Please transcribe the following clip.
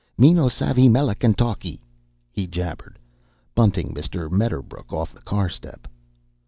"Me no savvy Melican talkee," he jabbered, bunting Mr. Medderbrook off the car step.